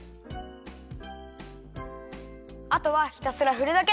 あとはひたすらふるだけ。